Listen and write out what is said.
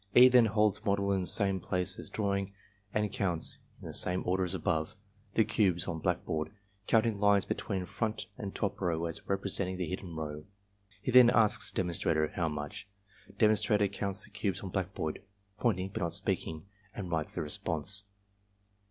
E. then holds model in same plane as drawing and counts (in the same order as above) the cubes on blackboard, counting lines between front and top row as representing the hidden row. He then asks demonstrator "How much?" Demonstrator counts the cubes on blackboard (pointing but not speaking) and writes the response.